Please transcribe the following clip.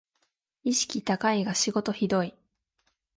意識高いが仕事ひどい